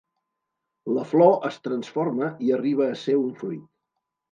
La flor es transforma i arriba a ser un fruit.